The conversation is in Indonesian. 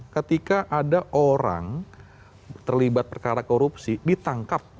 ketika ada orang terlibat perkara korupsi ditangkap